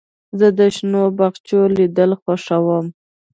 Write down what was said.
زه د شنو باغچو لیدل خوښوم.